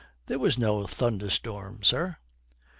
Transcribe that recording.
'There was no thunderstorm, sir.'